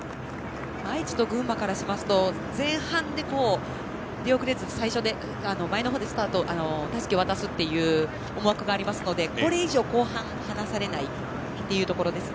愛知と群馬からしますと前半で出遅れず前の方でたすきを渡すという思惑がありますのでこれ以上、後半で離されないというところですね